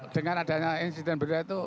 dengan adanya insiden berat itu